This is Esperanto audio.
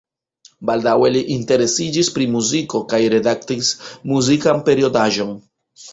Baldaŭe li interesiĝis pri muziko kaj redaktis muzikan periodaĵon.